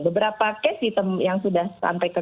beberapa kes yang sudah sampai ke